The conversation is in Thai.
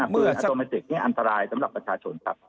ปืนอโตเมติกนี่อันตรายสำหรับประชาชนครับ